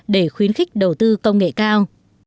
để khuyến khích đầu tư công nghệ cao